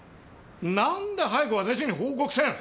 何で早く私に報告せん？